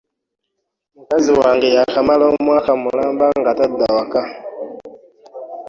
Mukazi wange yaakamala omwaka mulamba ngatadda waka.